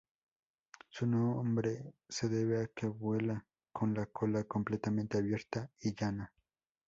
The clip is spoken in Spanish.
Su nombre se debe a que vuela con la cola completamente abierta y llana.